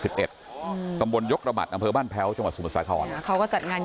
บรรยกระบัดอำเภอบ้านแพ้วจังหวัดสุมศาธารอ่ะเขาก็จัดงาน